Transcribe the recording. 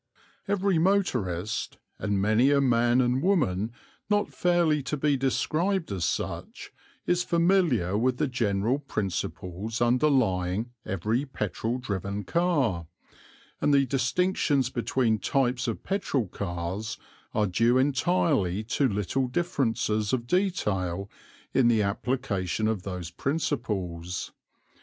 Every motorist, and many a man and woman not fairly to be described as such, is familiar with the general principles underlying every petrol driven car; and the distinctions between types of petrol cars are due entirely to little differences of detail in the application of those principles.